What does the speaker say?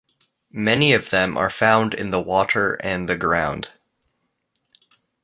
Many of them are found in the water and the ground.